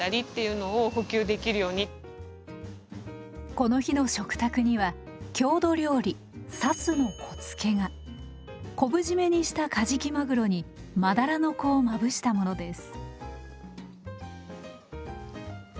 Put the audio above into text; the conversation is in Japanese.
この日の食卓には郷土料理「サスの子付け」が。昆布締めにしたカジキマグロにマダラの子をまぶしたものです。